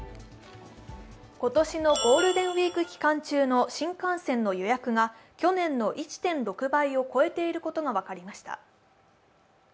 今年のゴールデンウイーク期間中の新幹線の予約が去年の１．６倍を超えていることが分かりました。